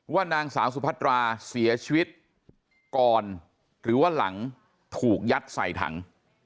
ว่านางสาวสุพัตราเสียชีวิตก่อนหรือว่าหลังถูกยัดใส่ถัง